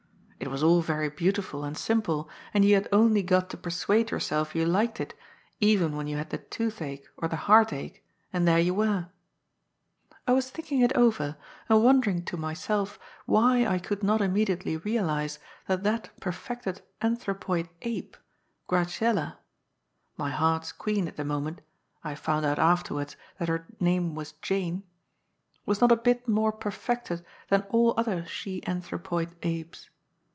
It was all very beautiful and simple, and you had only got to persuade yourself you liked it, even when you had the toothache or the heartache, and there you were. I was thinking it over, and wondering to myself why I could not immediately realize that that per ' fected anthropoid ape, Graziella (my heart's queen at the moment ; I found out afterwards that her name was Jane), was not a bit more perfected than all other she anthropoid apes.